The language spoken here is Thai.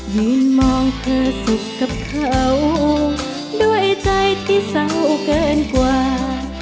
มินมองเธอสุขกับเขาด้วยใจที่เศร้าเกินกว่า